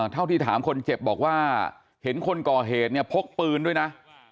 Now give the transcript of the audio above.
เท่าที่ถามคนเจ็บบอกว่าเห็นคนก่อเหตุเนี่ยพกปืนด้วยนะ